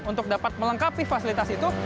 untuk dapat melengkapi fasilitas itu